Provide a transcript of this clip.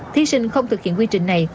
thí sinh không thực hiện quy trình này